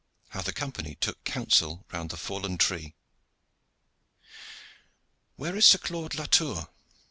HOW THE COMPANY TOOK COUNSEL ROUND THE FALLEN TREE. "Where is Sir Claude Latour?"